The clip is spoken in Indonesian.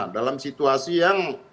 dalam situasi yang